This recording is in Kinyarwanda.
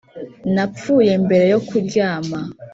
napfuye mbere yo kuryama